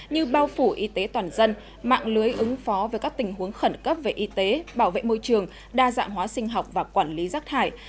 như bao phủ y tế toàn dân mạng lưới ứng phó với các tình huống khẩn cấp về y tế bảo vệ môi trường đa dạng hóa sinh học và quản lý rác thải